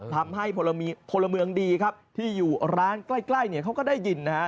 ทำให้พลเมืองดีที่อยู่ร้านใกล้เขาก็ได้ยิน